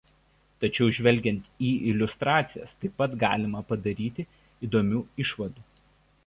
Tačiau žvelgiant į iliustracijas taip pat galima padaryti įdomių išvadų.